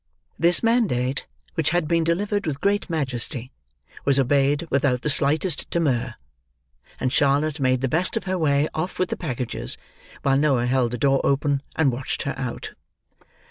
This mandate, which had been delivered with great majesty, was obeyed without the slightest demur; and Charlotte made the best of her way off with the packages while Noah held the door open and watched her out.